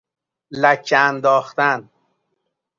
لکه انداختن